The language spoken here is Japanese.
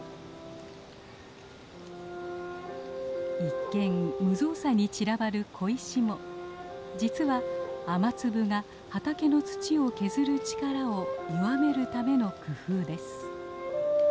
一見無造作に散らばる小石も実は雨粒が畑の土を削る力を弱めるための工夫です。